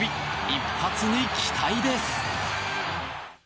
一発に期待です。